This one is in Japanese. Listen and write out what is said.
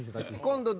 今度